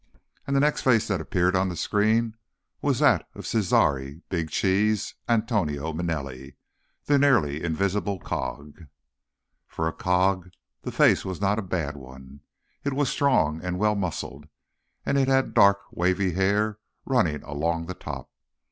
And the next face that appeared on the screen was that of Cesare "Big Cheese" Antonio Manelli, the nearly invisible cog. For a cog, the face was not a bad one. It was strong and well muscled, and it had dark, wavy hair running along the top.